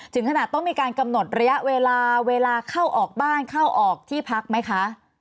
ถึงขนาดต้องมีการกำหนดระยะเวลาเวลาเข้าออกบ้านเข้าออกที่พักไหมคะ